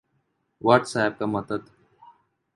what's app کا متعد